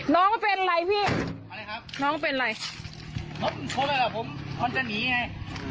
น้องเป็นอะไรพี่อะไรครับน้องเป็นไรน้องชดแล้วกับผมมันจะหนีไง